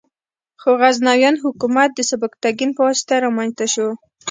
خو غزنویان حکومت د سبکتګین په واسطه رامنځته شو.